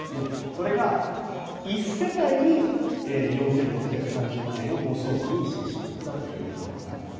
それが１世帯に４６３０万円を誤送金してしまったということです。